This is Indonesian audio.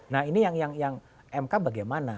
nah ini yang mk bagaimana